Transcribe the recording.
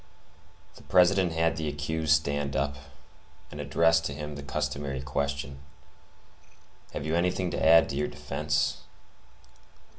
The President had the accused stand up, and addressed to him the customary question, "Have you anything to add to your defence?"